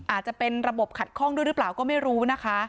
อาจจะเป็นระบบขัดข้องด้วยหรือเปล่าก็ไม่รู้นะคะ